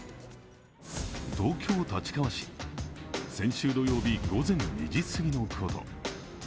東京・立川市、先週土曜日午前２時すぎのこと。